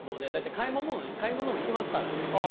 買い物も行きますからね。